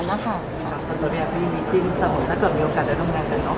ตรงนี้เรามีมิจินตรงนี้ถ้ามีโอกาสได้ร่วมงานกันหรือ